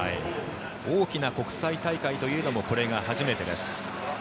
大きな国際大会というのもこれが初めてです。